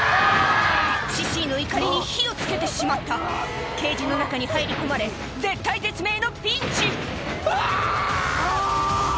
シシーの怒りに火を付けてしまったケージの中に入り込まれ絶体絶命のピンチうわ！